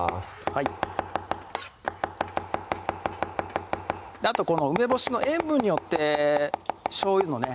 はいあとこの梅干しの塩分によってしょうゆのね